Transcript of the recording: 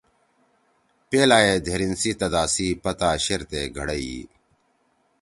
پیلائے دھریِن سی تدا سی پتہ شیرتے گھڑئیی